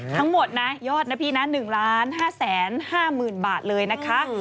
ทั้งหมดยอดหน้าพี่๑๕๕๐๐๐บาทเลยนะคะ